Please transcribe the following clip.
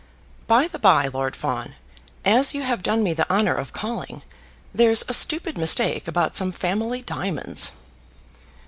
"By the bye, Lord Fawn, as you have done me the honour of calling, there's a stupid mistake about some family diamonds."